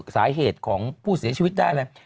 สาเหตุของผู้เสียชีวิตได้อะไร